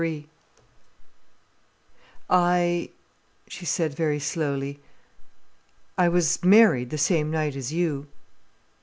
III "I," she said, very slowly, "I was married the same night as you."